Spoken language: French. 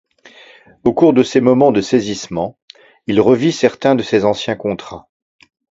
Au cours de ces moments de saisissement, il revit certains de ses anciens contrats.